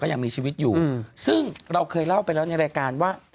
ยังมีชีวิตอยู่ซึ่งเราเคยเล่าไปแล้วในรายการว่า